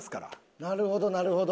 なるほどなるほど。